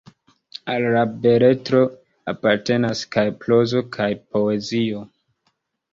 Al la beletro apartenas kaj prozo kaj poezio.